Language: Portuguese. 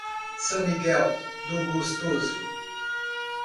São Miguel do Gostoso